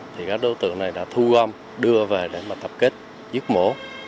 thì các đối tượng này đã thu gom đưa về để mà tập kết giết mổ